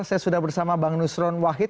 saya sudah bersama bang nusron wahid